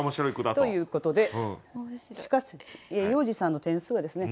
ということでしかし要次さんの点数はですね